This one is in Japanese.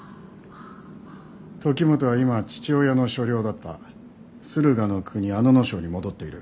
時元は今父親の所領だった駿河国阿野荘に戻っている。